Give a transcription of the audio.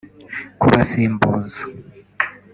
kubasimbuza